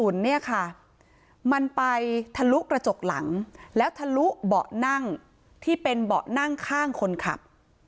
เนี่ยค่ะมันไปทะลุกระจกหลังแล้วทะลุเบาะนั่งที่เป็นเบาะนั่งข้างคนขับ